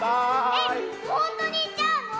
えっほんとにいっちゃうの？